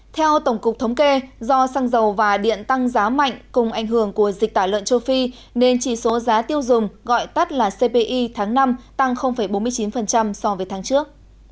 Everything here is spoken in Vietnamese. theo tổng cục thống kê do xăng dầu và điện tăng giá mạnh cùng ảnh hưởng của dịch tả lợn châu phi nên chỉ số giá tiêu dùng gọi tắt là cpi tháng năm tăng bốn mươi chín so với tháng trước